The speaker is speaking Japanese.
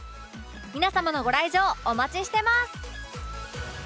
皆様のご来場お待ちしてます